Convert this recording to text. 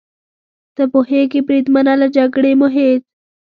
ته پوهېږې بریدمنه، له جګړې مو هېڅ.